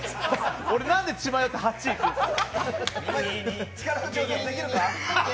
俺、何で血迷って８いくんですか！